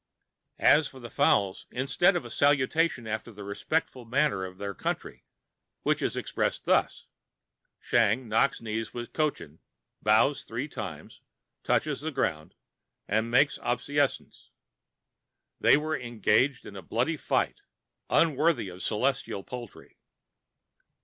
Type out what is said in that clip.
As for the fowls, instead of salutation after the respectful manner of their country—which is expressed thus: Shang knocks knees to Cochin, bows three times, touches the ground, and makes obeisance—they were engaged in a bloody fight, unworthy of celestial poultry.